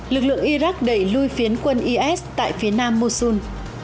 lực lượng iraq đẩy lui phiến quân is tại phía nam mushul